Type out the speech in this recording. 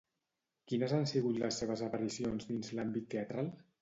Quines han sigut les seves aparicions dins l'àmbit teatral?